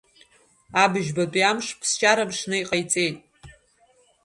Абжьбатәи амш ԥсшьара мшны иҟаиҵеит.